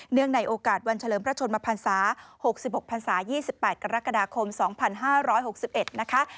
เนื่องในโอกาสวันเฉลิมพระชนมภาษา๖๖ภาษา๒๘กรกฎาคม๒๕๖๑นะคะ